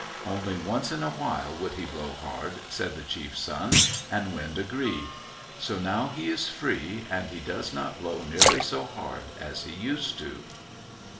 Only once in a while could he blow hard, said the chief's son, and Wind agreed. So now he is free, and he does not blow nearly so hard as he used to.